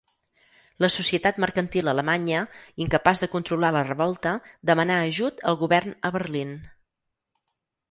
La societat mercantil alemanya, incapaç de controlar la revolta, demanà ajut al govern a Berlín.